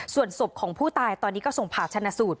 ส่วนศพของผู้ตายตอนนี้ก็ส่งผ่าชนะสูตร